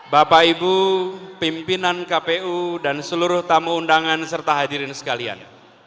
bapak ibu pimpinan kpu dan seluruh tamu undangan serta hadirin sekalian